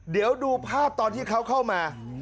เดี๋ยวดูภาพตอนที่เขาเข้ามา